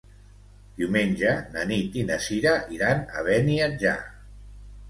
Diumenge na Nit i na Sira iran a Beniatjar.